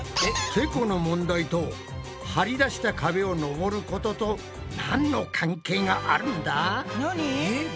てこの問題と張り出した壁を登ることとなんの関係があるんだ？